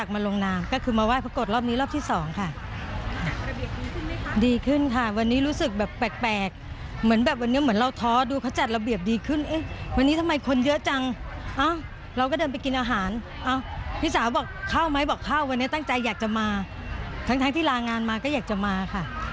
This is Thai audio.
ไม่บอกว่าวันนี้ตั้งใจอยากจะมาทั้งที่รางงานมาก็อยากจะมาค่ะ